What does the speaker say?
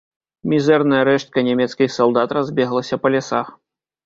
Мізэрная рэштка нямецкіх салдат разбеглася па лясах.